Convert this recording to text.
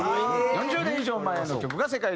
４０年以上前の曲が世界で注目。